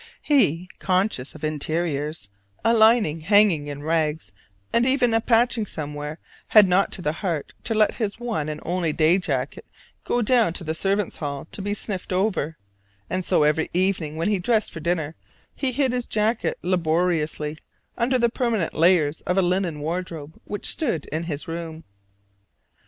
He, conscious of interiors, a lining hanging in rags, and even a patching somewhere, had not the heart to let his one and only day jacket go down to the servants' hall to be sniffed over: and so every evening when he dressed for dinner he hid his jacket laboriously under the permanent layers of a linen wardrobe which stood in his room.